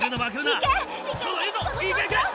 いけいけ！